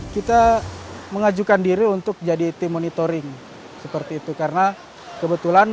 kita mengajukan diri untuk jadi tim monitoring seperti itu karena kebetulan